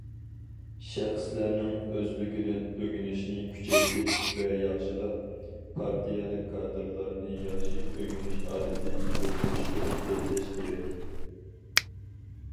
شەخسلەرنىڭ ئۆزلۈكىدىن ئۆگىنىشىنى كۈچەيتىپ ۋە ياخشىلاپ، پارتىيەلىك كادىرلارنى ياخشى ئۆگىنىش ئادىتى يېتىلدۈرۈشكە يېتەكلەش كېرەك.